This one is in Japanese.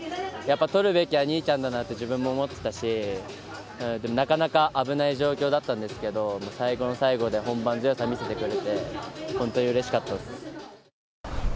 やっぱとるべきは兄ちゃんだなって自分も思ってたし、なかなか危ない状況だったんですけど、最後の最後で本番で強さ見せてくれて、本当にうれしかったです。